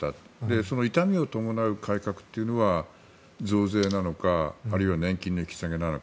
その痛みを伴う改革というのは増税なのかあるいは年金の引き下げなのか。